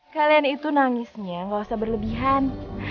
kalian itu nangisnya gak usah berlebihan